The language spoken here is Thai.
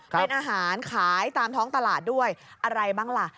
เป็นอาหารขายตามท้องตลาดด้วยอะไรบ้างล่ะ